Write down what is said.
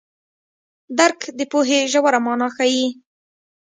درک د پوهې ژوره مانا ښيي.